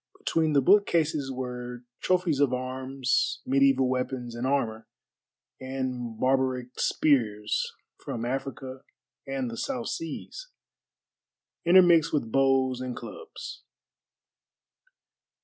Between the bookcases were trophies of arms, mediæval weapons and armor, and barbaric spears from Africa and the South Seas, intermixed with bows and clubs.